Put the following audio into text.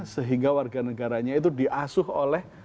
sehingga warga negaranya itu diasuh oleh